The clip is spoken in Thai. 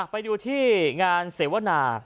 ไปดูที่งานเสวนา